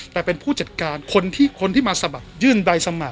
แต่เป็นผู้จัดการคนที่คนที่มาสมัครยื่นใบสมัคร